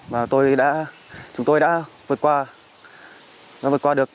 và chúng tôi đã vượt qua được